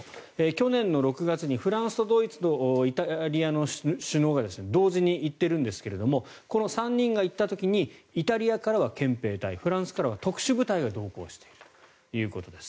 去年の６月にフランスとドイツとイタリアの首脳が同時に行ってるんですがこの３人が行った時にイタリアからは憲兵隊フランスからは特殊部隊が同行しているということです。